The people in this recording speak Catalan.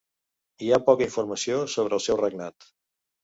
Hi ha poca informació sobre el seu regnat.